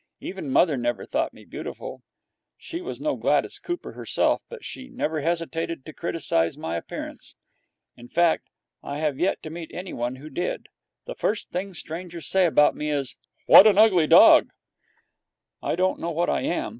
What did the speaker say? Even mother never thought me beautiful. She was no Gladys Cooper herself, but she never hesitated to criticize my appearance. In fact, I have yet to meet anyone who did. The first thing strangers say about me is, 'What an ugly dog!' I don't know what I am.